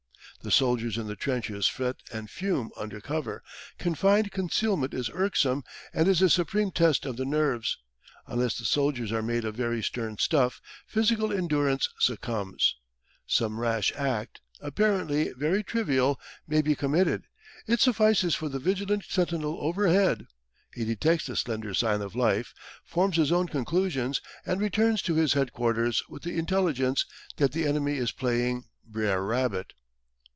The soldiers in the trenches fret and fume under cover; confined concealment is irksome and is a supreme test of the nerves. Unless the soldiers are made of very stern stuff, physical endurance succumbs. Some rash act apparently very trivial may be committed; it suffices for the vigilant sentinel overhead. He detects the slender sign of life, forms his own conclusions, and returns to his headquarters with the intelligence that the enemy is playing "Brer Rabbit."